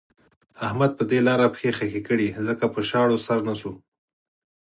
احمد پر دې لاره پښې خښې کړې ځکه پر شاړو سر نه شو.